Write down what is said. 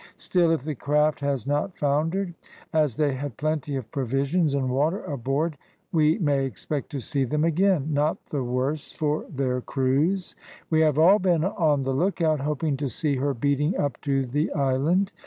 Still if the craft has not foundered, as they had plenty of provisions and water aboard we may expect to see them again, not the worse for their cruise. We have all been on the look out, hoping to see her beating up to the island.